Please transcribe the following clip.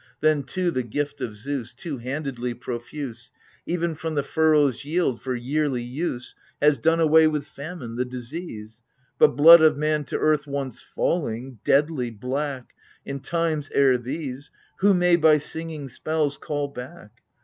Then too the gift of Zeus, Tvvo handedly profuse, Even from the furrows' yield for yearly use Has done away with famine, the disease ; But blood of man to earth once falling, — deadly, black, — In times ere these, — Who may, by singing spells, call back